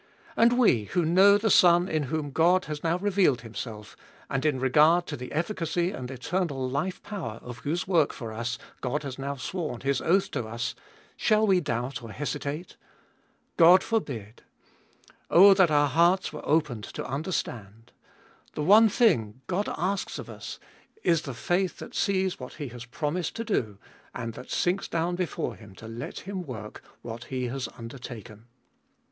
And we, who know the Son in whom God has now revealed Himself, and in regard to the efficacy and eternal life power of whose work for us God has now sworn His oath to us, shall we doubt or hesitate ? God forbid ! Oh that our hearts were opened to understand ! The one thing God asks of 250 Cbe ftoliest of nil us, is the faith that sees what He has promised to do, and that sinks down before Him to let Him work what He has undertaken.